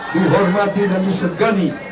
dihormati dan disegani